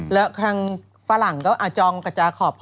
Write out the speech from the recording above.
และฝรั่งก็อาจองกับจาคอป